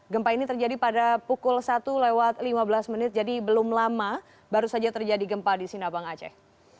gempa ini terjadi pada pukul satu lewat lima belas menit jadi belum lama baru saja terjadi gempa di sinabang aceh